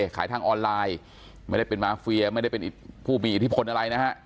ทางออนไลน์ไม่ได้เป็นมาเฟียไม่ได้เป็นผู้มีอิทธิพลอะไรนะฮะ